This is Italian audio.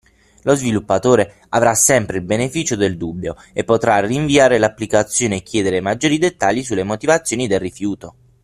Lo sviluppatore avrà sempre il beneficio del dubbio e potrà rinviare l’applicazione e chiedere maggiori dettagli sulle motivazioni del rifiuto.